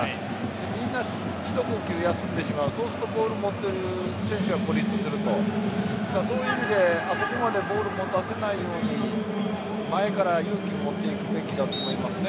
みんな一呼吸、休んでしまうそうするとボール持ってる選手たちがドリブルするとそういう意味であそこまでボールを持たせないように前から意識を持っていくべきだと思いますね。